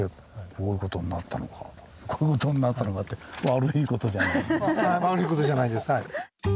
「こういう事になったのか」って悪い事じゃないんです。